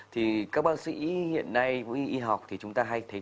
thì các bác sĩ hiện nay y học thì chúng ta hay thấy